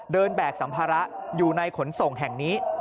แบกสัมภาระอยู่ในขนส่งแห่งนี้